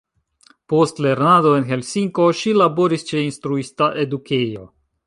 Post lernado en Helsinko ŝi laboris ĉe instruista edukejo.